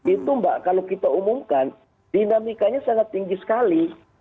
itu mbak kalau kita umumkan dinamikanya sangat tinggi sekali